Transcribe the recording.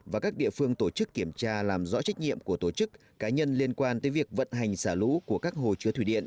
và các địa phương tổ chức kiểm tra làm rõ trách nhiệm của tổ chức cá nhân liên quan tới việc vận hành xả lũ của các hồ chứa thủy điện